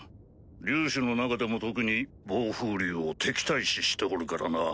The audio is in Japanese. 竜種の中でも特に暴風竜を敵対視しておるからな。